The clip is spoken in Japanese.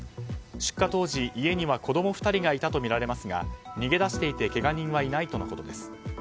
出火当時、家には子供２人がいたとみられますが逃げ出していてけが人はいないとのことです。